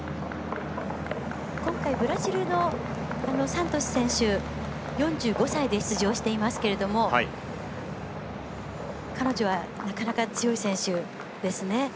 今回、ブラジルのサントス選手４５歳で出場していますけど彼女は、なかなか強い選手ですね。